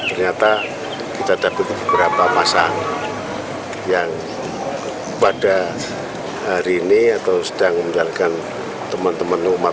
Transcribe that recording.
ternyata kita dapat beberapa pasang yang pada hari ini atau sedang menjalankan teman teman umat